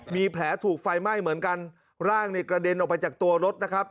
มีแผลถูกไฟไหม้เหมือนกันร่างเนี่ยกระเด็นออกไปจากตัวรถนะครับ